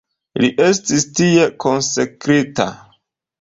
Li estis tie konsekrita.